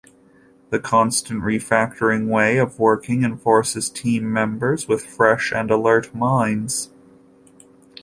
The constant refactoring way of working enforces team members with fresh and alert minds.